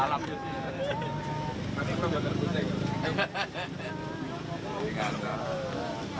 habis nasi berapa